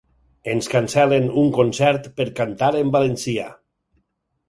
Ens cancel·len un concert per cantar en valencià.